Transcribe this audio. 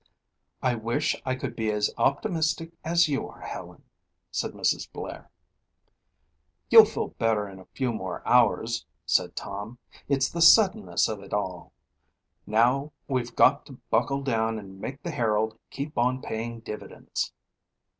"I wish I could be as optimistic as you are, Helen," said Mrs. Blair. "You'll feel better in a few more hours," said Tom. "It's the suddenness of it all. Now we've got to buckle down and make the Herald keep on paying dividends."